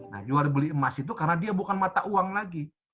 nah jual beli emas itu karena dia bukan mata uang lagi